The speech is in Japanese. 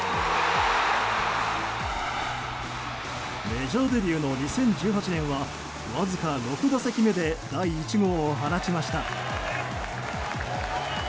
メジャーデビューの２０１８年はわずか６打席目で第１号を放ちました。